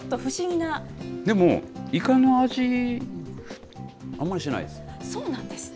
でも、イカの味、あんまりしそうなんです。